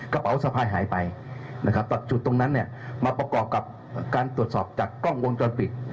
กระเป๋าสะพายหายไปจากจุดตรงนั้นมาประกอบกับการตรวจสอบจากกล้องวงจรปิด